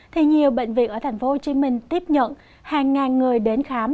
thì nhiều bệnh viện ở tp hcm tiếp nhận hàng ngàn người đến khám